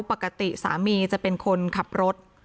ปกติสามีจะเป็นคนขับรถ